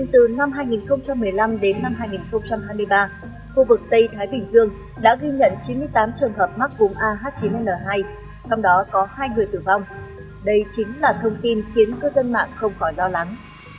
trong đó có hai người tử vong đây chính là thông tin khiến cư dân mạng không khỏi lo lắng